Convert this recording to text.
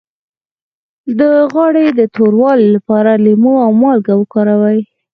د غاړې د توروالي لپاره لیمو او مالګه وکاروئ